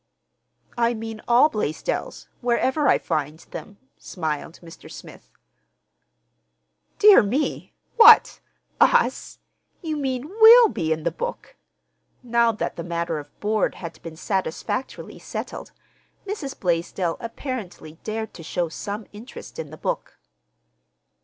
"I mean all Blaisdells, wherever I find them," smiled Mr. Smith. "Dear me! What, us? You mean we'll be in the book?" Now that the matter of board had been satisfactorily settled, Mrs. Blaisdell apparently dared to show some interest in the book.